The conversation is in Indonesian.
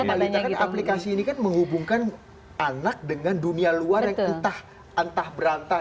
nah itu ya kita lihat kan aplikasi ini kan menghubungkan anak dengan dunia luar yang entah berantah